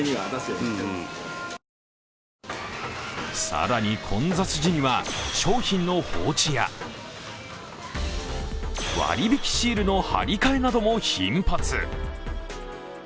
更に混雑時には商品の放置や割引きシールの張り替えなども頻発。